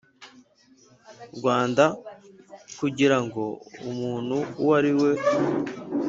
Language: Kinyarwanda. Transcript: Rwanda kugira ngo umuntu uwo ari we